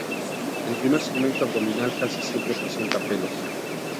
El primer segmento abdominal casi siempre presenta pelos.